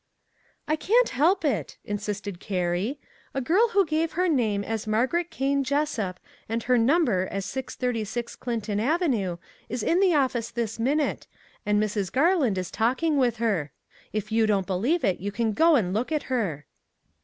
" I can't help it," insisted Carrie;" a girl who gave her name as Margaret Kane Jessup, and her number as 636 Clinton avenue, is in the office this minute, and Mrs. Garland is talking with her. If you don't believe it, you can go and look at her."